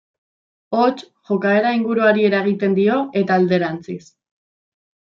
Hots, jokaera inguruari eragiten dio eta alderantziz.